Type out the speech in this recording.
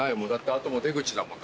あと出口だもん。